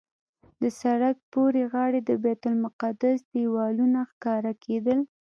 د سړک پورې غاړې د بیت المقدس دیوالونه ښکاره کېدل.